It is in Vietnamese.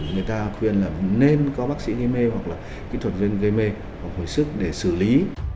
người ta khuyên là nên có bác sĩ gây mê hoặc là kỹ thuật gây mê hoặc hồi sức để xử lý